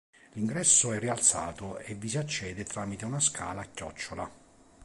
L'ingresso è rialzato e vi si accede tramite una scala a chiocciola.